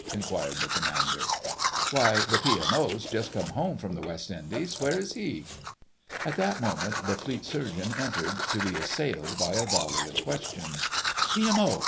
inquired the Commander. "Why, the P.M.O.'s just come home from the West Indies; where is he?" At that moment the Fleet Surgeon entered, to be assailed by a volley of questions. "P.M.O.!